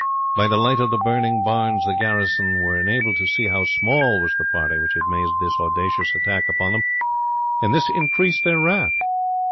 By the light of the burning barns the garrison were enabled to see how small was the party which had made this audacious attack upon them; and this increased their wrath.